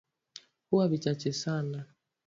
huwa vichache sana